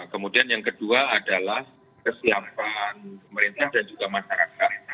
kemudian yang kedua adalah kesiapan pemerintah dan juga masyarakat